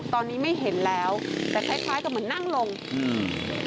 ตอนนี้ไม่เห็นแล้วแต่คล้ายคล้ายกับเหมือนนั่งลงอืม